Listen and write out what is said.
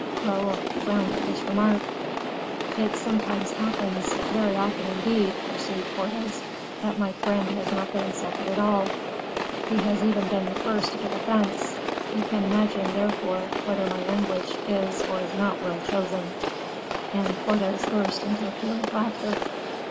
'" Raoul frowned at this remark. "It sometimes happens very often, indeed," pursued Porthos "that my friend has not been insulted at all; he has even been the first to give offense; you can imagine, therefore, whether my language is or is not well chosen." And Porthos burst into a peal of laughter.